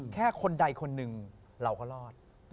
แค่คนใดคนหนึ่งเราก็รอด